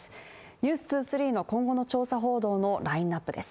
「ｎｅｗｓ２３」の今後の調査報道のラインナップです。